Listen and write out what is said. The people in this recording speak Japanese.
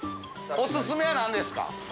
お薦めは何ですか？